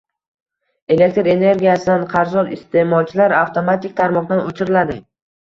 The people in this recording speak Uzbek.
Elektr energiyasidan qarzdor iste’molchilar avtomatik tarmoqdan o‘chiriladi